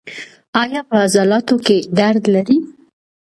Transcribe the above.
ایا په عضلاتو کې درد لرئ؟